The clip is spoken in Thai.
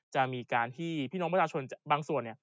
จะมีการที่พี่น้องประชาชนบางส่วน